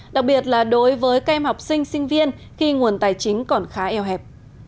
đặc biệt là đối với các em học sinh sinh viên khi nguồn tài chính còn khá eo hẹp